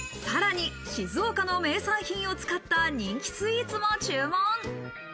さらに静岡の名産品を使った人気スイーツも注文。